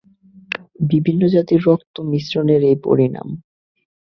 বিভিন্ন জাতির রক্ত-মিশ্রণের এই পরিণাম।